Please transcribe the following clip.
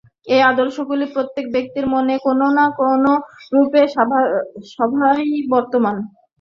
এই আদর্শগুলি প্রত্যেক ব্যক্তির মনে কোন না কোনরূপে স্বভাবতই বর্তমান।